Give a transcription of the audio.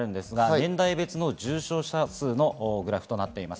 年代別の重症者数のグラフです。